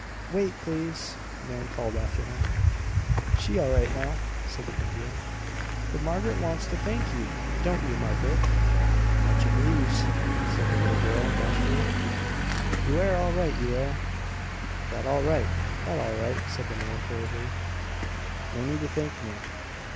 "Wait, please!" Nan called after him. "She all right now," said the Indian. "But Margaret wants to thank you, don't you, Margaret?" "Much obleeged," said the little girl, bashfully. "You air all right, you air." "That all right, that all right," said the man, hurriedly. "No need to thank me."